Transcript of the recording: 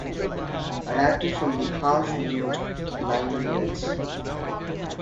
Adapted from the "Half-Mute" liner notes.